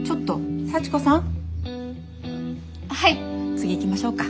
次行きましょうか。